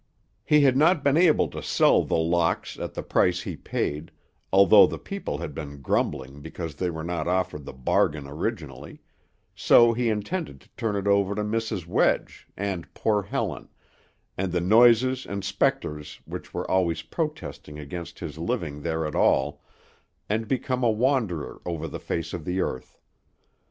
He had not been able to sell The Locks at the price he paid, although the people had been grumbling because they were not offered the bargain originally; so he intended to turn it over to Mrs. Wedge, and poor Helen, and the noises and spectres which were always protesting against his living there at all, and become a wanderer over the face of the earth.